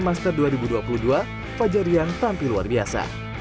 di indonesia master dua ribu dua puluh dua fajar rian tampil luar biasa